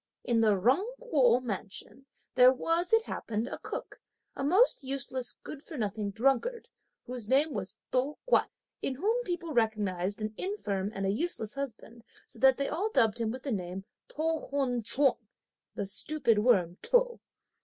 In the Jung Kuo mansion, there was, it happened, a cook, a most useless, good for nothing drunkard, whose name was To Kuan, in whom people recognised an infirm and a useless husband so that they all dubbed him with the name of To Hun Ch'ung, the stupid worm To.